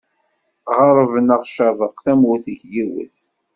Ɣerreb neɣ cerreq, tamurt-ik yiwet.